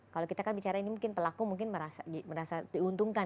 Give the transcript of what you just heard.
kalau kita kan bicara ini mungkin pelaku mungkin merasa diuntungkan